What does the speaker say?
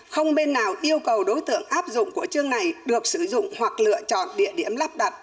không bên nào yêu cầu đối tượng áp dụng của chương này được sử dụng hoặc lựa chọn địa điểm lắp đặt